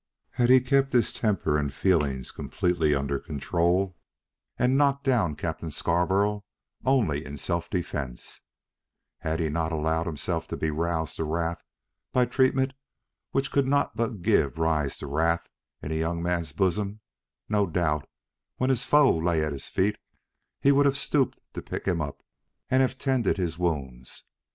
Had he kept his temper and feelings completely under control, and knocked down Captain Scarborough only in self defence; had he not allowed himself to be roused to wrath by treatment which could not but give rise to wrath in a young man's bosom, no doubt, when his foe lay at his feet, he would have stooped to pick him up, and have tended his wounds.